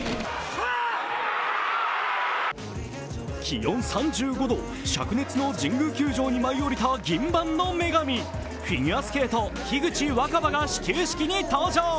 気温３５度、しゃく熱の神宮球場に舞い降りた銀盤の女神、フィギュアスケート・樋口新葉が始球式に登場。